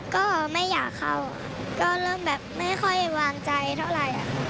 ก็ไม่อยากเข้าก็เริ่มแบบไม่ค่อยวางใจเท่าไหร่